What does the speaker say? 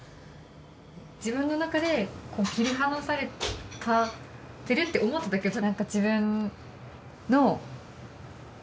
自分の中で切り離されてるって思ってたけど。